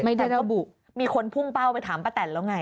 ระบุมีคนพุ่งเป้าไปถามป้าแตนแล้วไง